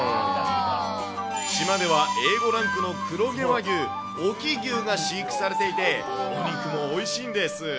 島ではＡ５ランクの黒毛和牛、隠岐牛が飼育されていて、お肉もおいしいんです。